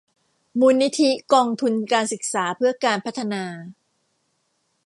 มูลนิธิกองทุนการศึกษาเพื่อการพัฒนา